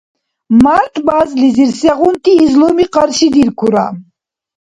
Март базлизир сегъунти излуми къаршидиркура?